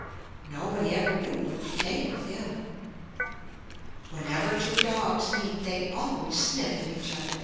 Nobody ever knew what became of him. Whenever two dogs meet they always sniff at each other.